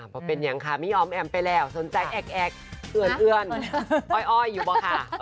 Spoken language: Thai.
พอเป็นอย่างฮะไม่ยอมแอมไปแล้วสนใจแอ๊กแอินอ้อยอยู่เหรอค่ะ